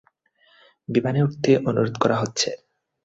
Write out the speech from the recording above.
বিমানে উঠতে অনুরোধ করা হচ্ছে।